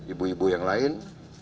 ibu ibu yang lain